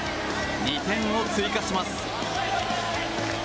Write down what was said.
２点を追加します。